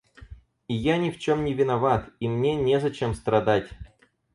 И я ни в чем не виноват, и мне не зачем страдать!